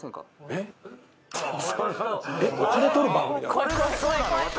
これがそうなの？